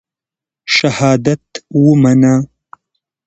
شهادت ومنه.